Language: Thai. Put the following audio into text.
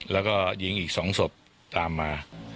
แล้วก็ยิงอีก๒ศพตามมา